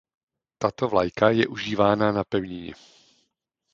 Tato vlajka je užívána na pevnině.